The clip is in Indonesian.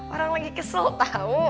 orang lagi kesel tau